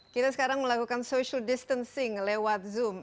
kita sekarang melakukan social distancing lewat zoom